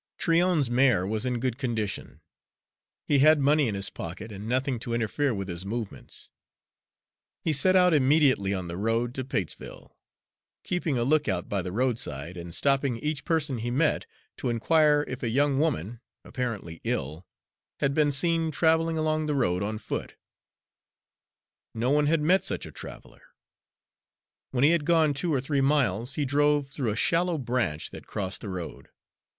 Tryon's mare was in good condition. He had money in his pocket and nothing to interfere with his movements. He set out immediately on the road to Patesville, keeping a lookout by the roadside, and stopping each person he met to inquire if a young woman, apparently ill, had been seen traveling along the road on foot. No one had met such a traveler. When he had gone two or three miles, he drove through a shallow branch that crossed the road.